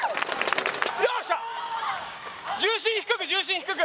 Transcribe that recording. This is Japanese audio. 重心低く、重心低く！